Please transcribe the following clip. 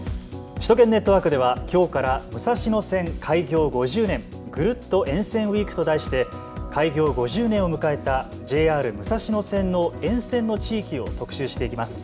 首都圏ネットワークではきょうから武蔵野線開業５０年ぐるっと沿線ウイークと題して開業５０年を迎えたＪＲ武蔵野線の沿線の地域を特集していきます。